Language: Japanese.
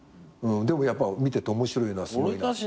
でもやっぱ見てて面白いのはすごいな。